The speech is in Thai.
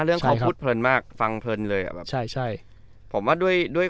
เรื่องเขาพูดเพลินมากฟังเพลินเลยอ่ะแบบใช่ใช่ผมว่าด้วยด้วย